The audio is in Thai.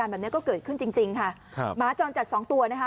คุณผู้ชมเดี๋ยวอยากให้ดูบรรยากาศที่เจ้าหน้าที่จะไปจับหมาจรจัดด้วยการยิงยาสลบค่ะ